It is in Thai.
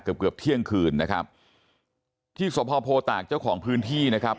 เกือบเกือบเที่ยงคืนนะครับที่สพโพตากเจ้าของพื้นที่นะครับ